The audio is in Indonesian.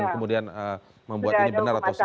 dan kemudian membuat ini benar atau salah